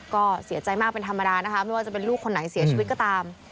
ก็เสียใจมากเป็นธรรมดานะคะไม่ว่าจะเป็นลูกคนไหนเสียชีวิตก็ตาม